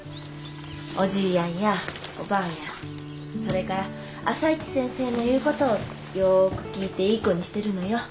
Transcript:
おじぃやんやおばぁやんそれから朝市先生の言う事をよく聞いていい子にしてるのよ。